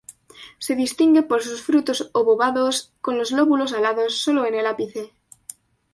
Se distingue por sus frutos obovados con los lóbulos alados sólo en el ápice.